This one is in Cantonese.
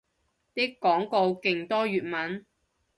啲廣告勁多粵文